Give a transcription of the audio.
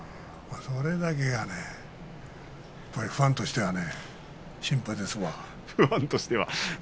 それだけがね、やっぱりファンとしては心配だよね。